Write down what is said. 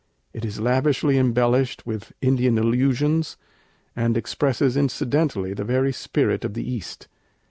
It is lavishly embellished with Indian allusions, and expresses incidentally the very spirit of the East.